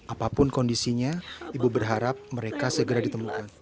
apapun kondisinya ibu berharap mereka segera ditemukan